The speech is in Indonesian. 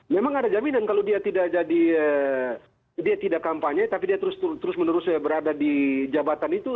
memang ada jaminan kalau dia tidak jadi dia tidak kampanye tapi dia terus menerus berada di jabatan itu